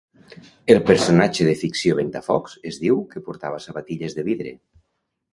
El personatge de ficció Ventafocs es diu que portava sabatilles de vidre.